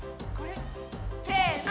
せの！